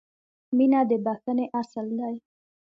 • مینه د بښنې اصل دی.